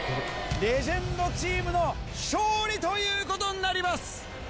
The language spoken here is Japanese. レジェンドチームの勝利ということになります。